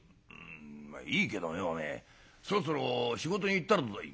「まあいいけどよお前そろそろ仕事に行ったらどうだい」。